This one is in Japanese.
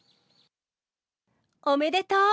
おめでとう！